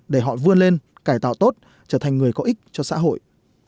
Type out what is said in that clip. để họ vươn lên cải tạo tốt trở thành người có ích cho xã hội